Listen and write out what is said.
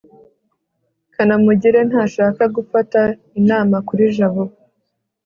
kanamugire ntashaka gufata inama kuri jabo